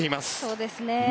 そうですね。